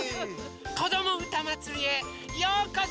「こどもうたまつり」へようこそ！